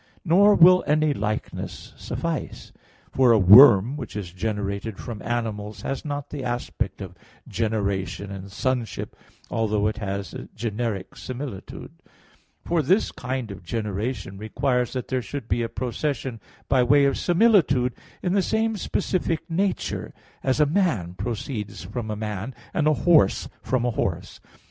Nor will any likeness suffice; for a worm which is generated from animals has not the aspect of generation and sonship, although it has a generic similitude; for this kind of generation requires that there should be a procession by way of similitude in the same specific nature; as a man proceeds from a man, and a horse from a horse.